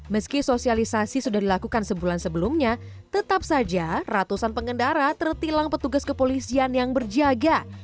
meski sosialisasi sudah dilakukan sebulan sebelumnya tetap saja ratusan pengendara tertilang petugas kepolisian yang berjaga